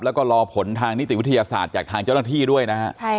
แล้วก็รอผลทางนิติวิทยาศาสตร์จากทางเจ้าหน้าที่ด้วยนะฮะ